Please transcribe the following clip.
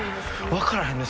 分からへんねん。